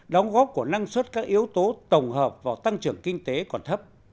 đóng góp của năng suất các yếu tố tổng hợp vào tăng trưởng kinh tế còn thấp